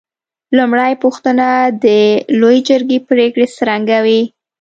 لومړۍ پوښتنه: د لویې جرګې پرېکړې څرنګه وې؟